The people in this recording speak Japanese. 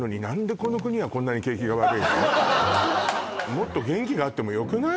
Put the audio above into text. もっと元気があってもよくない？